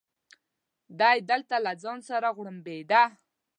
دی دلته له ځان سره غوړمبېده.